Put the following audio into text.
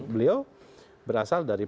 beliau berasal dari